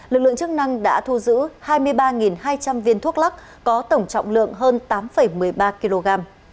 lực lượng chức năng đã thu giữ hai mươi ba hai trăm linh viên thuốc lắc có tổng trọng lượng hơn tám một mươi ba kg